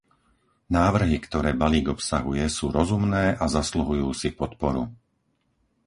Návrhy, ktoré balík obsahuje, sú rozumné a zasluhujú si podporu.